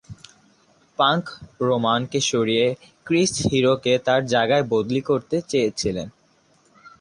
Punk Roman কে সরিয়ে Chris Hero কে তার জায়গায় বদলি করতে চেয়েছিল।